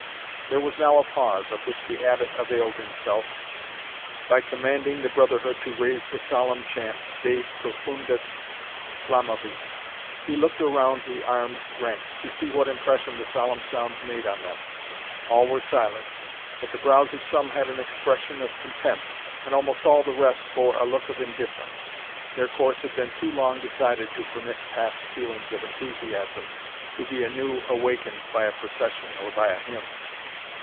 There was now a pause, of which the Abbot availed himself, by commanding the brotherhood to raise the solemn chant De profundis clamavi. He looked around the armed ranks, to see what impression the solemn sounds made on them. All were silent, but the brows of some had an expression of contempt, and almost all the rest bore a look of indifference; their course had been too long decided to permit past feelings of enthusiasm to be anew awakened by a procession or by a hymn.